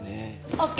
ＯＫ！